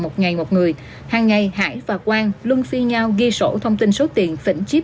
một ngày một người hàng ngày hải và quang luôn phi nhau ghi sổ thông tin số tiền phỉnh chip